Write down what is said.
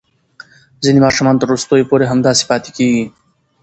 ځینې ماشومان تر وروستیو پورې همداسې پاتې کېږي.